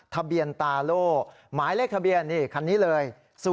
ทะเบียนตาโล่หมายเลขทะเบียนนี่คันนี้เลย